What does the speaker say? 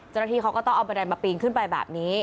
จนทีเขาก็ต้องเอาเบนดันมาปริงขึ้นไปแบบนี้